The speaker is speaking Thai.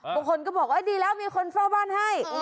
บางคนก็บอกว่าดีแล้วมีคนเฝ้าบ้านให้